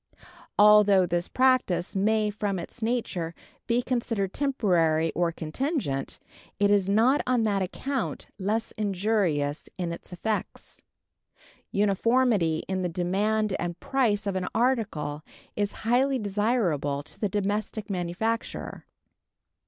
Although this practice may from its nature be considered temporary or contingent, it is not on that account less injurious in its effects. Uniformity in the demand and price of an article is highly desirable to the domestic manufacturer.